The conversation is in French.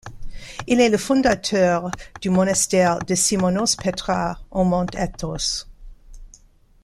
Il est le fondateur du monastère de Simonos Petra au mont Athos.